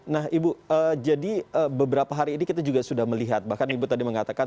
nah ibu jadi beberapa hari ini kita juga sudah melihat bahkan ibu tadi mengatakan